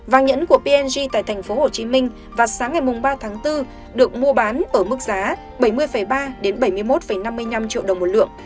vàng nhẫn của png tại tp hcm vào sáng ngày ba tháng bốn được mua bán ở mức giá bảy mươi ba bảy mươi một năm mươi năm triệu đồng một lượng